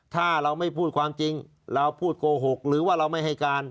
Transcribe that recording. ถ้าเราไม่พูดความจริงเราพูดโกหกหรือว่าเราไม่ให้การ